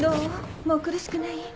もう苦しくない？